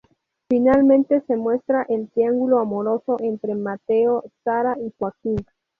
Finalmente se muestra el triángulo amoroso entre Mateo, Sara y Joaquín.